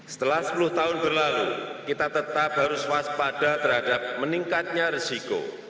setelah sepuluh tahun berlalu kita tetap harus waspada terhadap meningkatnya risiko